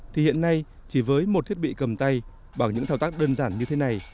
thì hiện nay chỉ với một thiết bị cầm tay bằng những thao tác đơn giản như thế này